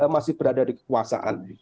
masih berada di kekuasaan